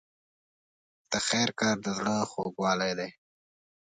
د خیر کار د زړه خوږوالی دی.